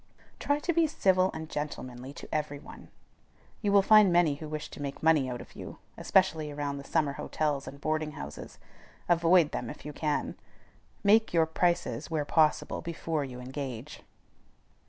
Try to be civil and gentlemanly to every one. You will find many who wish to make money out of you, especially around the summer hotels and boarding houses. Avoid them if you can. Make your prices, where possible, before you engage.